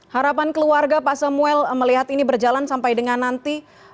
harapan keluarga pak samuel melihat ini berjalan sampai dengan nanti